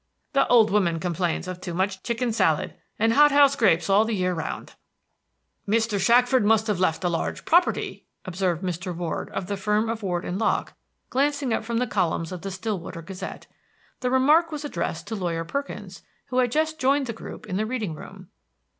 The old woman complains of too much chicken sallid, and hot house grapes all the year round." "Mr. Shackford must have left a large property," observed Mr. Ward, of the firm of Ward & Lock, glancing up from the columns of the Stillwater Gazette. The remark was addressed to Lawyer Perkins, who had just joined the group in the reading room.